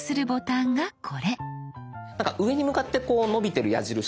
なんか上に向かってこう伸びてる矢印が。